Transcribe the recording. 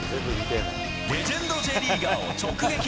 レジェンドＪリーガーを直撃。